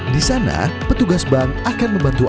di sana petugas bank akan membantu anda dan membantu anda